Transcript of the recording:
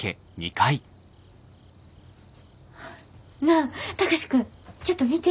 なあ貴司君ちょっと見て。